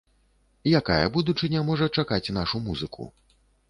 Якая будучыня можа чакаць нашу музыку?